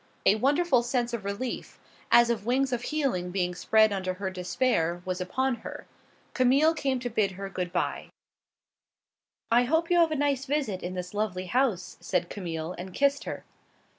A wonderful sense of relief, as of wings of healing being spread under her despair, was upon her. Camille came to bid her good by. "I hope you have a nice visit in this lovely house," said Camille, and kissed her.